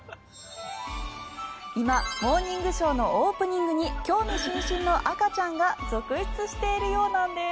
今、「モーニングショー」のオープニングに興味津々の赤ちゃんが続出しているようなんです。